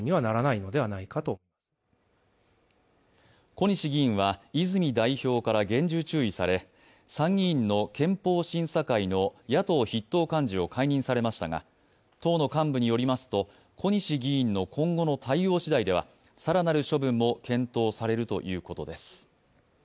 小西議員は泉代表から厳重注意され参議院の憲法審査会の野党筆頭幹事を解任されましたが党の幹部によりますと小西議員の今後の対応しだいでは更なる処分も検討されるということです。